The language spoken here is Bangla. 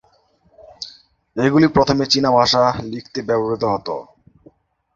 এগুলি প্রথমে চীনা ভাষা লিখতে ব্যবহৃত হত।